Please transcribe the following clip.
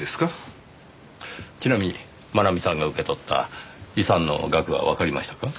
ちなみに真奈美さんが受け取った遺産の額はわかりましたか？